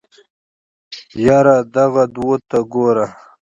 يره دغو دوو ته ګوره.